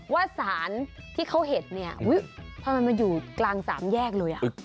ว่าสารที่เขาเห็นเนี่ยพอมันมาอยู่กลางสามแยกเลย